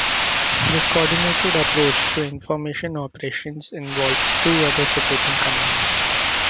This coordinated approach to information operations involves two other supporting commands.